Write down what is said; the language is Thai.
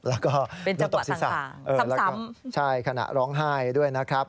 แล้วก็น้ำตกศีรษะแล้วก็ใช่ขณะร้องไห้ด้วยนะครับ